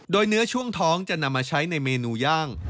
โดยเนื้อช่วงท้องจะนำมาใช้ในเมนูย่าง